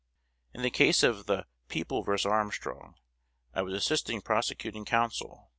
'" "In the case of the People vs. Armstrong, I was assisting prosecuting counsel.